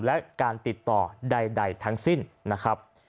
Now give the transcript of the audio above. และการติดต่อใดทั้งสิ้นนะครับ